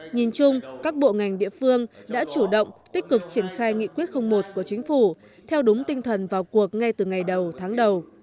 nhìn chung các bộ ngành địa phương đã chủ động tích cực triển khai nghị quyết một của chính phủ theo đúng tinh thần vào cuộc ngay từ ngày đầu tháng đầu